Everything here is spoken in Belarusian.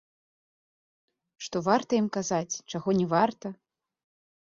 Што варта ім казаць, чаго не варта?